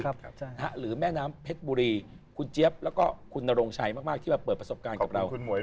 หรือแม่น้ำเพชรบุรีคุณเจี๊ยบแล้วก็คุณนโรงชัยมากที่มาเปิดประสบการณ์กับเรา